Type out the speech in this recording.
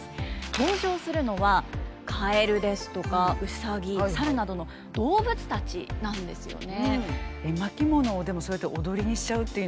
登場するのは蛙ですとか兎猿などの動物たちなんですよね。